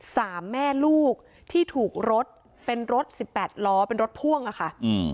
สามแม่ลูกที่ถูกรถเป็นรถ๑๘ล้อเป็นรถพ่วงค่ะ